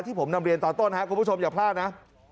ผมนำเรียนตอนต้นครับคุณผู้ชมอย่าพลาดนะ